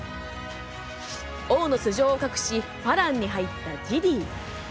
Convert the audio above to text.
王の素性を隠し花郎に入ったジディ。